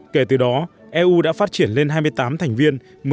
kể từ đó eu đã phát triển lên hai mươi tám thành viên